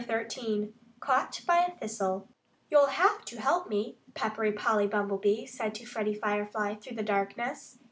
XIII CAUGHT BY A THISTLE "You'll have to help me," Peppery Polly Bumblebee said to Freddie Firefly through the darkness.